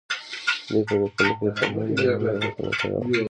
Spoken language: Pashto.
دوی په لیکونو کې پر هند د حملې غوښتنه کړې وه.